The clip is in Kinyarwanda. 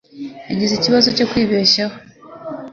Yagize ikibazo cyo kwibeshaho.